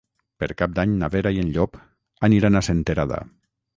Per Cap d'Any na Vera i en Llop aniran a Senterada.